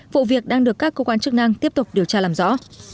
vụ việc đang được các cơ quan chức năng tiếp tục điều tra làm rõ